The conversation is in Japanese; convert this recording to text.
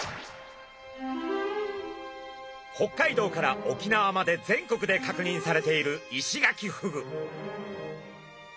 北海道から沖縄まで全国で確認されているイシガキフグ。